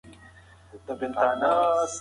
سهارنۍ یوازې د وزن کمولو ضمانت نه کوي.